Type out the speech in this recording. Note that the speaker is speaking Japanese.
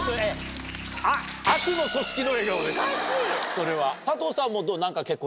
それは。